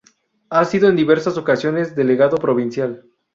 Ha sido en diversas ocasiones delegado provincial.